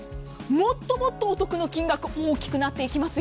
もっともっとお得な金額大きくなっていきます。